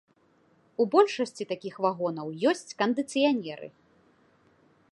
У большасці такіх вагонаў ёсць кандыцыянеры.